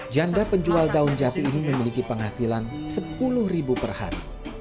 janda penjual daun jati ini memiliki penghasilan sepuluh ribu per hari